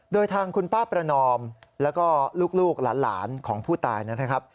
โดยทางคุณป้าประนอมแล้วก็ลูกหลานของผู้ตายนะครับ